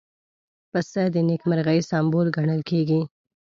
پسه د نېکمرغۍ سمبول ګڼل کېږي.